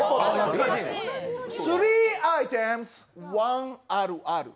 スリー・アイテム、ワンあるある。